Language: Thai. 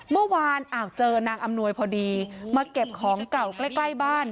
เมื่อวานเจอนางอำนวยพอดีมาเก็บของเก่าใกล้ใกล้บ้าน